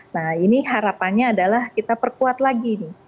nah ini harapannya adalah kita perkuat lagi nih